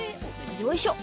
よいしょ。